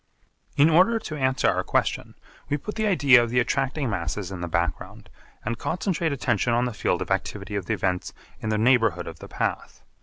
In order to answer our question we put the idea of the attracting masses in the background and concentrate attention on the field of activity of the events in the neighbourhood of the path.